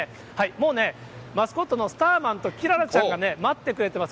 もうね、マスコットのスターマンときららちゃんが待ってくれてます。